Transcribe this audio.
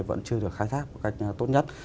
vẫn chưa được khai thác một cách tốt nhất